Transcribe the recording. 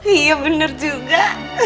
iya bener juga